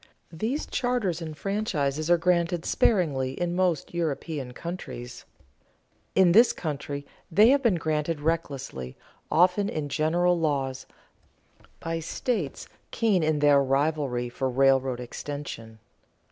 These charters and franchises are granted sparingly in most European countries. In this country they have been granted recklessly, often in general laws, by states keen in their rivalry for railroad extension.